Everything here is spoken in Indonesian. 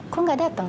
kok gak datang